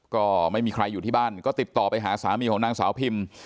ก็ไม่มีใครอยู่ที่บ้านก็ติดต่อไปหาสามีของนางสาวพิม